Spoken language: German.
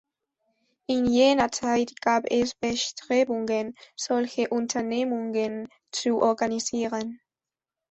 In jener Zeit gab es Bestrebungen, solche Unternehmungen zu organisieren.